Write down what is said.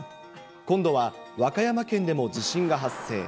今度は和歌山県でも地震が発生。